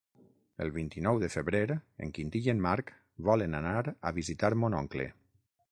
El vint-i-nou de febrer en Quintí i en Marc volen anar a visitar mon oncle.